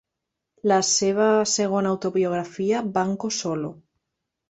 La seva segona autobiografia, Banco Solo!